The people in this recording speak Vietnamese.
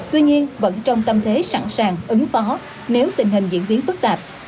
tuy nhiên vẫn trong tâm thế sẵn sàng ứng phó nếu tình hình diễn biến phức tạp